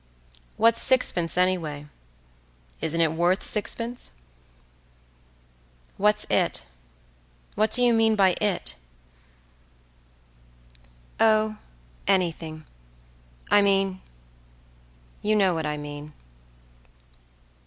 "What's sixpence anyway? Isn't it worth sixpence?""What's 'it'—what do you mean by 'it'?""O, anything—I mean—you know what I mean."